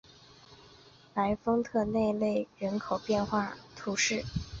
莱丰特内勒人口变化图示